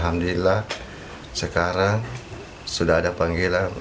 alhamdulillah sekarang sudah ada panggilan